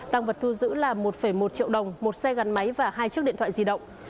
tăng vật thu giữ là một một triệu đồng một xe gắn máy và hai chiếc điện thoại di động